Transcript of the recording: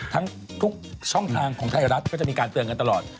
ทุกช่องทางของไทยรัฐก็จะมีการเตือนกันตลอด